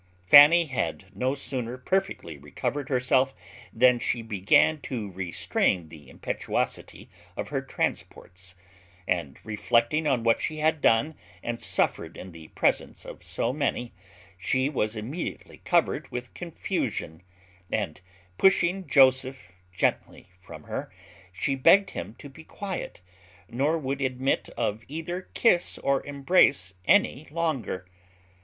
Fanny had no sooner perfectly recovered herself than she began to restrain the impetuosity of her transports; and, reflecting on what she had done and suffered in the presence of so many, she was immediately covered with confusion; and, pushing Joseph gently from her, she begged him to be quiet, nor would admit of either kiss or embrace any longer.